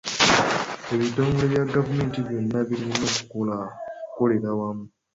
Ebtongole bya gavumenti byonna birina okukolera awamu.